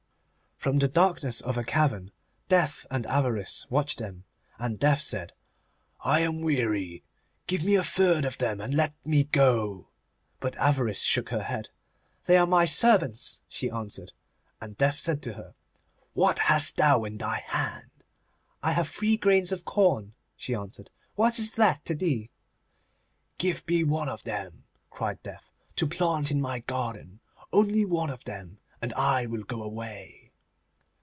From the darkness of a cavern Death and Avarice watched them, and Death said, 'I am weary; give me a third of them and let me go.' But Avarice shook her head. 'They are my servants,' she answered. And Death said to her, 'What hast thou in thy hand?' 'I have three grains of corn,' she answered; 'what is that to thee?' 'Give me one of them,' cried Death, 'to plant in my garden; only one of them, and I will go away.